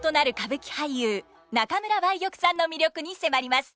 俳優中村梅玉さんの魅力に迫ります。